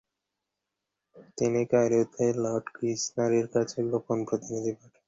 তিনি কায়রোতে লর্ড কিচনারের কাছে গোপন প্রতিনিধি পাঠান।